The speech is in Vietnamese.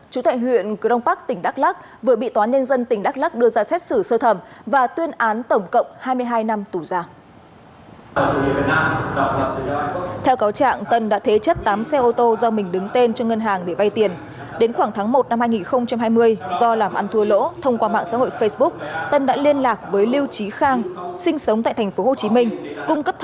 chủ tệ huyện cửu đông bắc tỉnh đắk lắc vừa bị tóa nhân dân tỉnh đắk lắc đưa ra xét xử sơ thẩm và tuyên án tổng cộng hai mươi hai năm tù giả